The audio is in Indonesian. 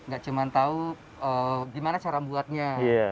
gak cuma tahu gimana cara buatnya